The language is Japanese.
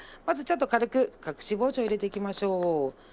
まずちょっと軽く隠し包丁を入れていきましょう。